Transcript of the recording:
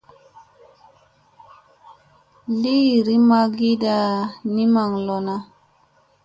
Iiri maygira ni maŋ lona.